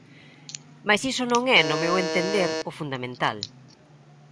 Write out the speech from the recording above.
Mais iso non é, no meu entender, o fundamental.